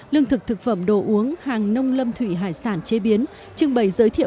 lương thực thực phẩm đồ uống hàng nông lâm thủy hải sản chế biến trưng bày giới thiệu